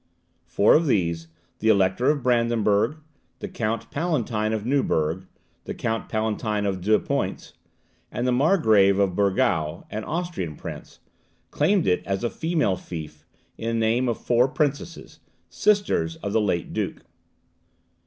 Four of these, the Elector of Brandenburg, the Count Palatine of Neuburg, the Count Palatine of Deux Ponts, and the Margrave of Burgau, an Austrian prince, claimed it as a female fief in name of four princesses, sisters of the late duke.